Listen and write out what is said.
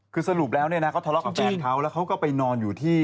คือสรุปแล้วเนี่ยนะเขาทะเลาะกับแฟนเขาแล้วเขาก็ไปนอนอยู่ที่